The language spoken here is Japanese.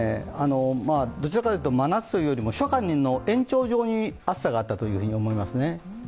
どちらかというと真夏というより初夏の延長上に暑さがあったと思いますね。